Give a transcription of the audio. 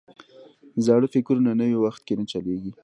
زاړه فکرونه نوي وخت کې نه چلیږي.